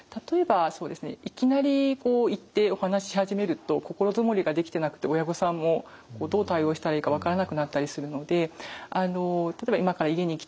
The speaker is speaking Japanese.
いきなり行ってお話し始めると心づもりができてなくて親御さんもどう対応したらいいか分からなくなったりするので例えば「今から家に行きたいんだけどもいい？